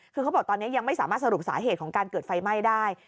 คือเขาบอกตอนนี้ยังไม่สามารถสรุปสาเหตุของการเกิดไฟไหม้ได้